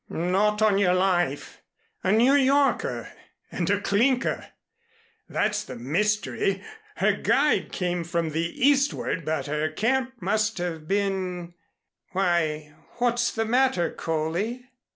"Not on your life. A New Yorker and a clinker. That's the mystery. Her guide came from the eastward but her camp must have been why, what's the matter, Coley?"